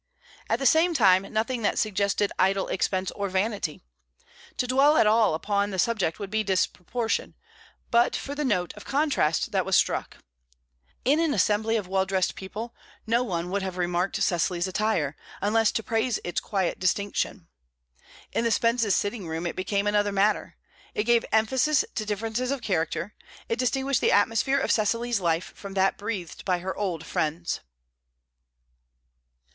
At the same time, nothing that suggested idle expense or vanity. To dwell at all upon the subject would be a disproportion, but for the note of contrast that was struck. In an assembly of well dressed people, no one would have remarked Cecily's attire, unless to praise its quiet distinction. In the Spences' sitting room it became another matter; it gave emphasis to differences of character; it distinguished the atmosphere of Cecily's life from that breathed by her old friends.